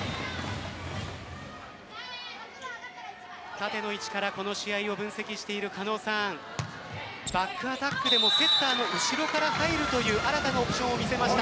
縦の位置からこの試合を分析している狩野さんバックアタックでもセッターの後ろから返るという新たなオプションを見せました。